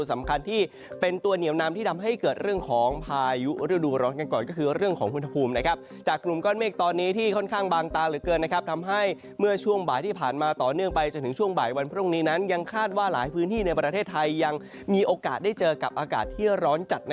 สำคัญที่เป็นตัวเหนียวนำที่ทำให้เกิดเรื่องของพายุฤดูร้อนกันก่อนก็คือเรื่องของอุณหภูมิจากกลุ่มก้อนเมฆตอนนี้ที่ค่อนข้างบางตาเหลือเกินทำให้เมื่อช่วงบ่ายที่ผ่านมาต่อเนื่องไปจนถึงช่วงบ่ายวันพรุ่งนี้นั้นยังคาดว่าหลายพื้นที่ในประเทศไทยยังมีโอกาสได้เจอกับอากาศที่ร้อนจัด